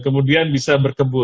kemudian bisa berkebut